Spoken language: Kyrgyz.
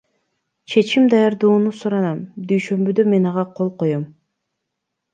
Чечим даярдоону суранам, дүйшөмбүдө мен ага кол коем.